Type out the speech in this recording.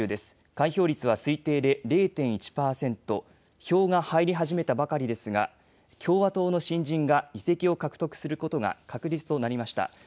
開票率は推定で０．１％、票が入り始めたばかりですが、共和党の新人が議席を獲得することが確実となりました。